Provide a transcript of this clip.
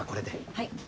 はい。